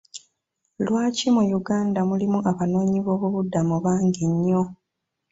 Lwaki mu Uganda mulimu abanoonyi b'obubuddamu bangi nnyo.